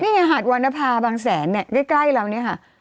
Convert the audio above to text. นี่เห้าะหาดวรรณภาฯบางแสนใกล้เรานี้ค่ะ